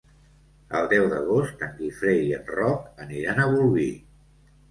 El deu d'agost en Guifré i en Roc aniran a Bolvir.